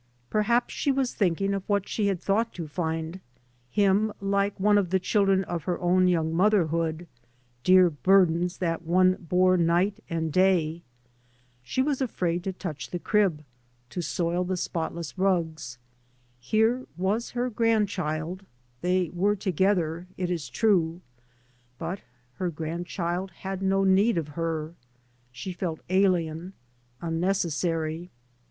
Perhaps she was thinking of what she had thought to find him, like one of the children of her own young motherhood, dear burdens that one bore ntg^t and day. She was afraid to touch the crib, to soil the 3 by Google MY MOTHER AN D I spotless rugs. Here was her grandchild, they were together, it is true. And her grandchild had no need of her. She felt alien, unnecessary.